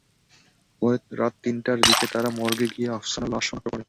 পরে রাত তিনটার দিকে তাঁরা মর্গে গিয়ে আফসানার লাশ শনাক্ত করেন।